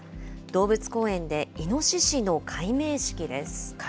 動物公園でイノシシの改名式です。